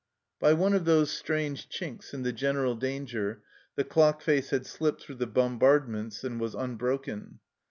By one of those strange chinks in the general danger the clock face had slipped through the bom bardments and was unbroken.